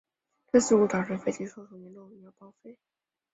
这次事故导致飞机受损严重因而报废。